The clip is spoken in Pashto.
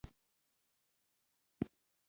فوئرباخ او فروید نظریې وړاندې کړې.